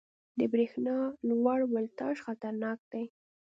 • د برېښنا لوړ ولټاژ خطرناک دی.